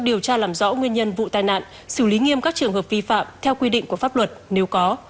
điều tra làm rõ nguyên nhân vụ tai nạn xử lý nghiêm các trường hợp vi phạm theo quy định của pháp luật nếu có